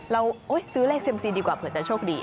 ซื้อเลขเซียมซีดีกว่าเผื่อจะโชคดี